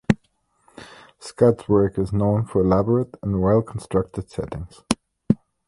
Scott's work is known for elaborate and well-constructed settings.